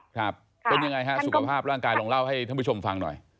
ครับเป็นยังไงฮะสุขภาพร่างกายลองเล่าให้ท่านผู้ชมฟังหน่อย